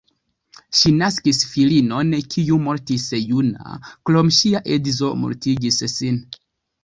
Ŝi naskis filinon, kiu mortis juna, krome ŝia edzo mortigis sin.